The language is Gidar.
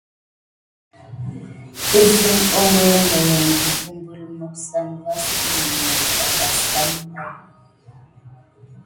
Əzeme hogohokio misapay ɗe kubelā mokoni sawuba va adelif net.